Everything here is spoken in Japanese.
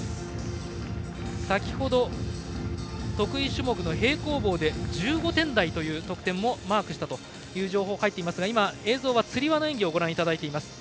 先ほど、得意種目の平行棒で１５点台という得点をマークしたという情報が入っていますがつり輪の演技をご覧いただいています。